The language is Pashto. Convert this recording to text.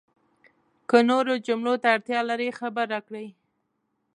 که نورو جملو ته اړتیا لرئ، خبر راکړئ!